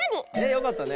よかったね。